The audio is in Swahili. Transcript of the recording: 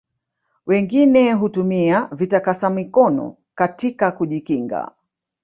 wengine hutumia vitakasa mikono katika kujikinga